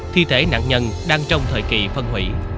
thi thể nạn nhân đang trong thời kỳ phân hủy